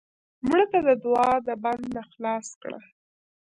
مړه ته د دوعا د بند نه خلاص کړه